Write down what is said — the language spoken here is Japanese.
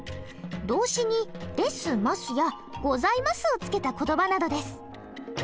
動詞に「ですます」や「ございます」をつけた言葉などです。